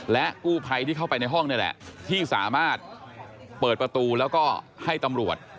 และกู้ภัยที่เข้าไปในห้องนี่แหละที่สามารถเปิดประตูแล้วก็ให้ตำรวจ